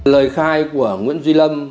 lời khai của nguyễn duy lâm